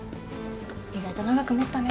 意外と長く持ったね。